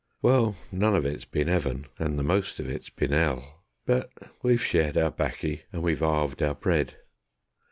Well, none of it's been 'eaven, and the most of it's been 'ell, But we've shared our baccy, and we've 'alved our bread.